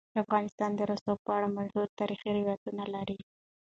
افغانستان د رسوب په اړه مشهور تاریخی روایتونه لري.